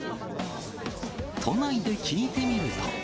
都内で聞いてみると。